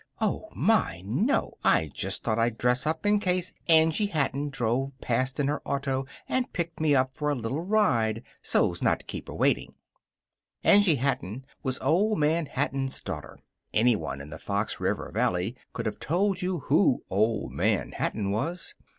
"Oh, my, no! I just thought I'd dress up in case Angie Hatton drove past in her auto and picked me up for a little ride. So's not to keep her waiting." Angie Hatton was Old Man Hatton's daughter. Anyone in the Fox River Valley could have told you who Old Man Hatton was.